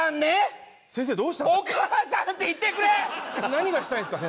何がしたいんですか？